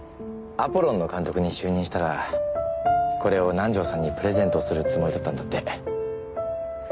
アポロンの監督に就任したらこれを南条さんにプレゼントするつもりだったんだって。